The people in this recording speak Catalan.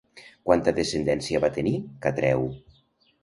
Quanta descendència va tenir Catreu?